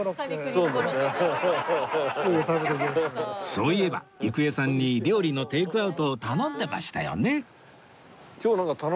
そういえば郁恵さんに料理のテイクアウトを頼んでましたよね